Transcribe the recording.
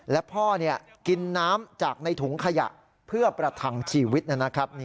และพ่อกินน้ำจากในถุงขยะเพื่อประทังชีวิตนะครับ